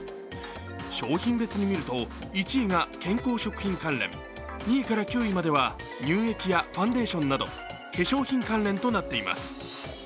商品別に見ると１位が健康食品関連、２位から９位までは乳液やファンデーションなど化粧品関連となっています。